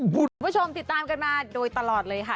คุณผู้ชมติดตามกันมาโดยตลอดเลยค่ะ